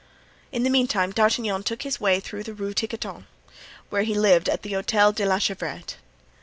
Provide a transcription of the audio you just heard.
In the meantime D'Artagnan took his way toward the Rue Tiquetonne, where he lived at the Hotel de la Chevrette.